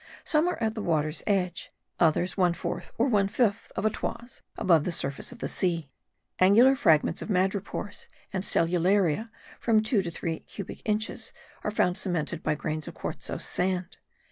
Some are at the water's edge, others one fourth or one fifth of a toise above the surface of the sea. Angular fragments of madrepores, and cellularia from two to three cubic inches, are found cemented by grains of quartzose sand.